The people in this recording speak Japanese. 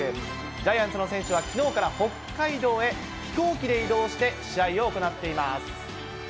ジャイアンツの選手は、きのうから北海道へ飛行機で移動して、試合を行っています。